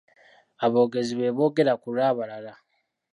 Aboogezi beeboogera ku lw'abalala.